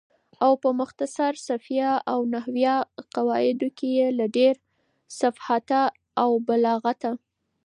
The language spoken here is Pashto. او په مختصر صرفیه او نحویه قواعدو یې له ډېره فصاحته او بلاغته